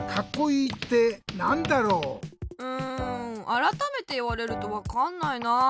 うんあらためていわれるとわかんないなあ。